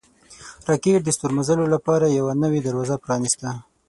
راکټ د ستورمزلو لپاره یوه نوې دروازه پرانیسته